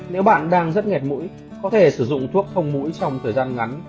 nếu bạn đang rất nghẹt mũi có thể sử dụng thuốc không mũi trong thời gian ngắn